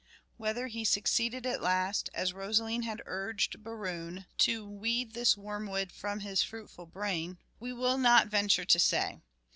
Whether he succeeded at last, as Rosaline had urged Berowne "To weed this wormwood from his fruitful brain," we will not venture to say.